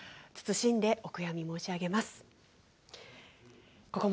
謹んでお悔やみ申し上げます。